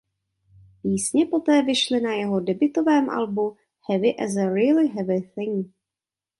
Písně poté vyšly na jeho debutovém albu "Heavy as a Really Heavy Thing".